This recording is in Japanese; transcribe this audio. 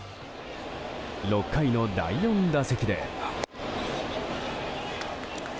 ６回の第４打席で。